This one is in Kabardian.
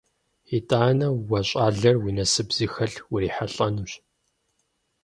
ИтӀанэ уэ щӀалэр уи насып зыхэлъ урихьэлӀэнущ.